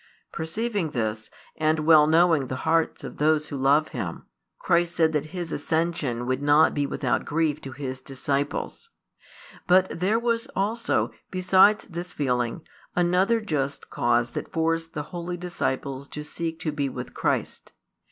Perceiving this, and well knowing the hearts of those who love Him, Christ said that His Ascension would not be without grief to His disciples. But there was also, besides this feeling, another just cause that forced the holy disciples to seek to be with Christ.